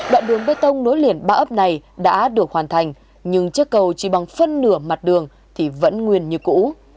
đoạn đường bê tông nối liền ba ấp này đã được hoàn thành nhưng chiếc cầu chỉ bằng phân nửa mặt đường thì vẫn nguyên như cũ